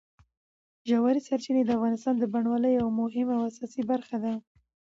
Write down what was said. ژورې سرچینې د افغانستان د بڼوالۍ یوه مهمه او اساسي برخه ده.